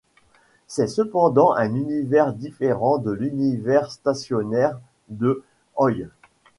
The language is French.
C'est cependant un univers différent de l'univers stationnaire de Hoyle.